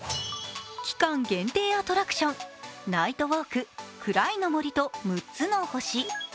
期間限定アトラクション、ナイトウォークフライの森と６つの星。